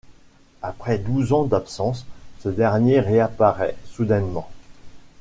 Après douze ans d’absence, ce dernier réapparaît soudainement.